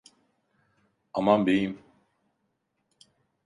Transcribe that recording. Aman beyim!